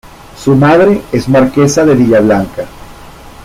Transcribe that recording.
Su madre es marquesa de Villablanca.